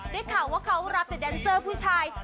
ได้ข่าวว่าเขารับแต่แดนเซอร์ผู้ชาย